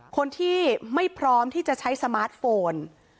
คนที่ไม่พร้อมที่จะใช้สมาร์ทโฟน